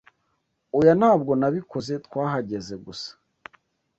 Oya ntabwo nabikoze twahagaze gusa